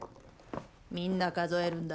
みんな数えるんだ。